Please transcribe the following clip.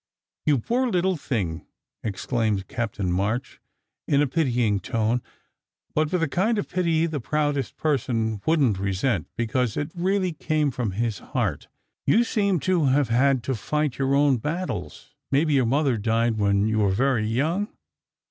"You poor little thing!" exclaimed Captain March in a pitying tone, but with the kind of pity the proudest person wouldn t resent, because it really came from his heart. " You seem to have had to fight your own battles. Maybe your mother died when you were very young?